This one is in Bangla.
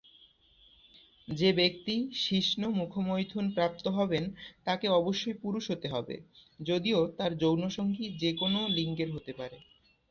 যে ব্যক্তি শিশ্ন-মুখমৈথুন প্রাপ্ত হবেন তাকে অবশ্যই পুরুষ হতে হবে, যদিও তার যৌন সঙ্গী যেকোনো লিঙ্গের হতে পারে।